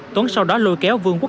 tuấn sau đó lôi kéo vương quốc